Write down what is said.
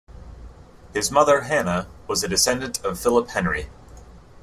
His mother, Hannah, was a descendant of Philip Henry.